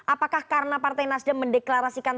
apakah karena partai nasdem mendeklarasikan